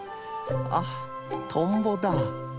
あトンボだ。